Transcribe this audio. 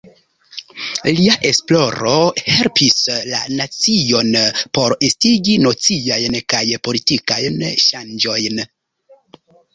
Lia esploro helpis la nacion por estigi sociajn kaj politikajn ŝanĝojn.